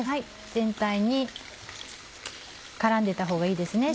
全体に絡んでたほうがいいですね